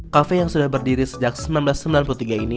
kafe yang sudah berdiri sejak seribu sembilan ratus sembilan puluh tiga ini